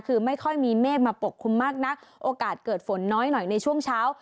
คือไม่ค่อยมีเมฆมาปกคลุมมากนักโอกาสเกิดฝนน้อยหน่อยในช่วงเช้า